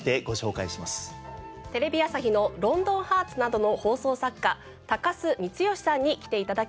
テレビ朝日の『ロンドンハーツ』などの放送作家高須光聖さんに来て頂きました。